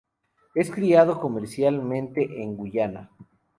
Es criado comercialmente en Guayana.